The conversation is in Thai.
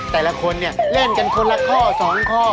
แต่ละคนเนี่ยเล่นกันคนละข้อ๒ข้อ